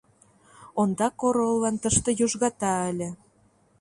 Ондак ороллан тыште южгата ыле.